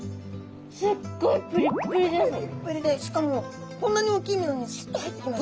プリップリでしかもこんなに大きいのにすっと入ってきますね。